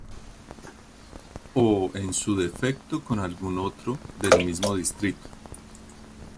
O en su defecto con algún otro del mismo distrito.